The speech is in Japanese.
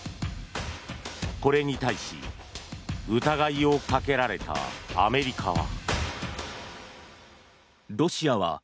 これに対し、疑いをかけられたアメリカは。